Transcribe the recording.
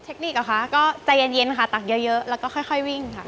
คนิคเหรอคะก็ใจเย็นค่ะตักเยอะแล้วก็ค่อยวิ่งค่ะ